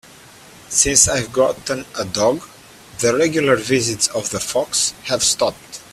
Since I've gotten a dog, the regular visits of the fox have stopped.